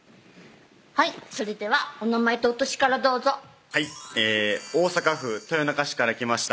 それではお名前とお歳からどうぞはい大阪府豊中市から来ました